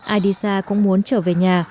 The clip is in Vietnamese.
ai đi xa cũng muốn trở về nhà